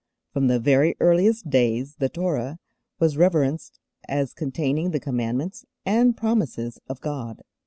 From the very earliest days the Torah was reverenced as containing the commandments and promises of God.